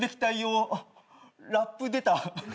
あっラップ出た。